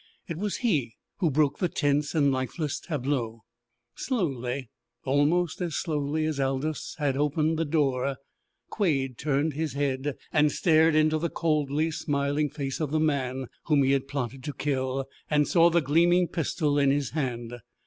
It was he who broke the tense and lifeless tableau. Slowly, almost as slowly as Aldous had opened the door, Quade turned his head, and stared into the coldly smiling face of the man whom he had plotted to kill, and saw the gleaming pistol in his hand.